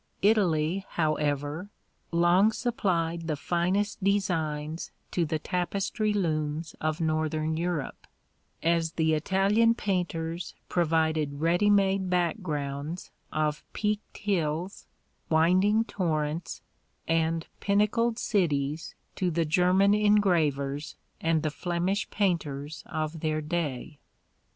Italy, however, long supplied the finest designs to the tapestry looms of northern Europe, as the Italian painters provided ready made backgrounds of peaked hills, winding torrents and pinnacled cities to the German engravers and the Flemish painters of their day.